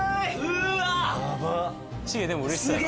シゲでもうれしそうやな